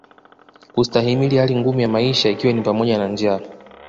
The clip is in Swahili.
Kustahimili hali ngumu ya maisha ikiwa ni pamoja na njaa